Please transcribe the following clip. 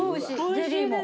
ゼリーも。